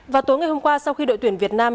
vào tối ngày hôm qua sau khi đội tuyển việt nam